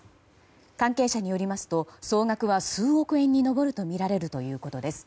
関係者によりますと総額は数億円に上るとみられるということです。